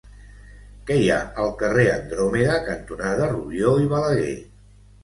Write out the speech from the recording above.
Què hi ha al carrer Andròmeda cantonada Rubió i Balaguer?